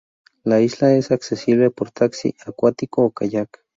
La isla es accesible por taxi acuático o kayak.